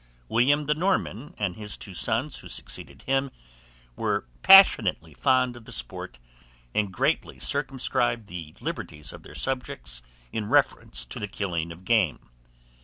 William the Norman, and his two sons who succeeded him, were passionately fond of the sport, and greatly circumscribed the liberties of their subjects in reference to the killing of game.